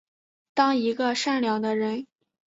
当一个善良的人